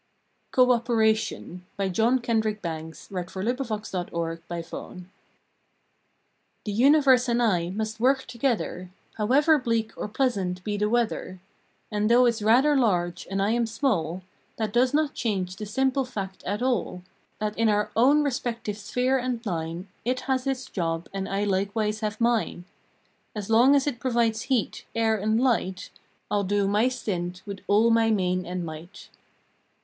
ne by, And Self become a gray Old Cyclopediay! November Sixth CO OPERATION HPHE Universe and I must work together, However bleak or pleasant be the weather; And though it s rather large and I am small, That does not change the simple fact at all That in our own respective sphere and line It has its job and I likewise have mine; And long as it provides heat, air, and light, I ll do my stint with all my main and might.